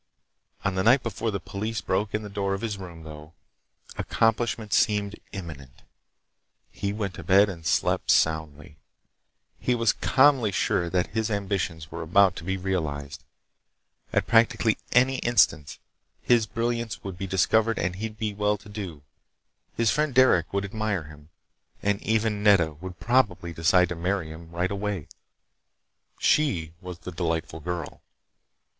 On the night before the police broke in the door of his room, though, accomplishment seemed imminent. He went to bed and slept soundly. He was calmly sure that his ambitions were about to be realized. At practically any instant his brilliance would be discovered and he'd be well to do, his friend Derec would admire him, and even Nedda would probably decide to marry him right away. She was the delightful girl.